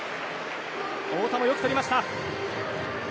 太田もよくとりました。